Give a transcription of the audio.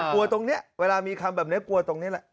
ตรงนี้เวลามีคำแบบนี้กลัวตรงนี้แหละ